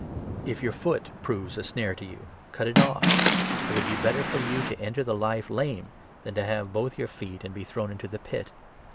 If your foot proves a snare to you, cut it off. It 45 would be better for you to enter the Life lame, than to have both your feet and be thrown into the Pit.